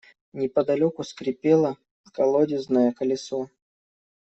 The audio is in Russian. Неподалеку скрипело колодезное колесо.